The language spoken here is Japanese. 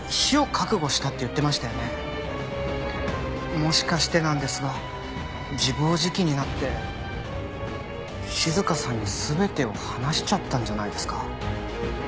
もしかしてなんですが自暴自棄になって静香さんに全てを話しちゃったんじゃないですか？